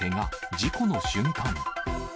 事故の瞬間。